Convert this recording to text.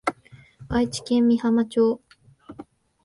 愛知県美浜町